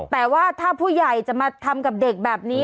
แต่ว่าถ้าผู้ใหญ่จะมาทำกับเด็กแบบนี้